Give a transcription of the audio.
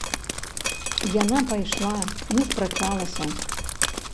Яна пайшла, не спрачалася.